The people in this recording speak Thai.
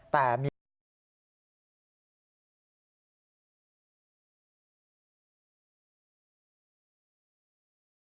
ตรงนี้ที่๑๒ฐานเขตระไม่ได้สันไดทราบเรียนแคมภาคอยู่